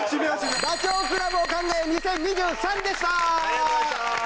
ダチョウ倶楽部を考えよう２０２３でした！